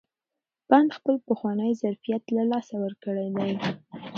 بند خپل پخوانی ظرفیت له لاسه ورکړی دی.